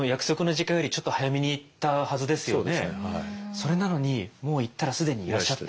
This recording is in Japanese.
それなのにもう行ったら既にいらっしゃって。